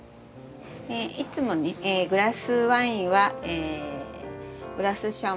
いつもねグラスワインはグラスシャンパーニュ